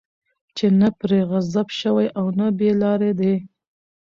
چې نه پرې غضب شوی، او نه بې لاري دي